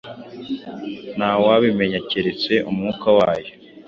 nta wabimenya keretse Umwuka wayo….”.